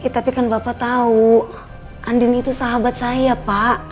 tapi kan bapak tahu andin itu sahabat saya pak